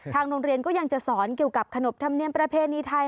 โรงเรียนก็ยังจะสอนเกี่ยวกับขนบธรรมเนียมประเพณีไทย